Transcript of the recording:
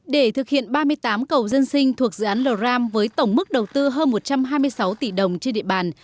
để thực hiện ba mươi tám cầu dân sinh thuộc dự án lò ram với tổng mức đầu tư hơn một trăm hai mươi sáu tỷ đồng trên địa bàn